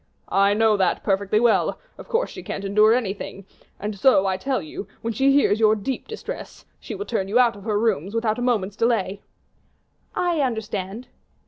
"I know that perfectly well; of course she can't endure anything; and so, I tell you, when she hears your deep distress, she will turn you out of her rooms without a moment's delay." "I understand."